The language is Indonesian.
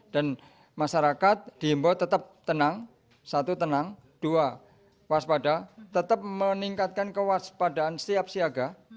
dan masyarakat di himbo tetap tenang satu tenang dua waspada tetap meningkatkan kewaspadaan setiap siaga